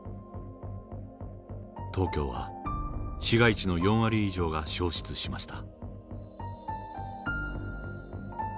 東京は市街地の４割以上が焼失しました。